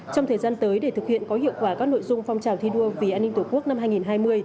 trong thời gian tới để thực hiện có hiệu quả các nội dung phong trào thi đua vì an ninh tổ quốc năm hai nghìn hai mươi